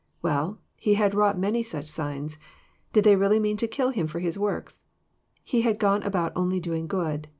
Well, He had wrought many such signs. Did they re ally me an to kill Him for His works? He had gone aboat only aoing good.